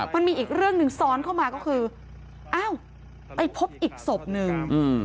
มันมีอีกเรื่องหนึ่งซ้อนเข้ามาก็คืออ้าวไปพบอีกศพหนึ่ง